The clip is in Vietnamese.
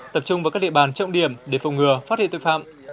tập trung vào các địa bàn trọng điểm để phòng ngừa phát hiện tội phạm